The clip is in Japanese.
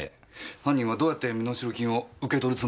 犯人はどうやって身代金を受け取るつもりなんでしょうか。